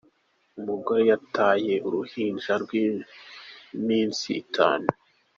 Umugore yataye uruhinja rw’iminsi itanu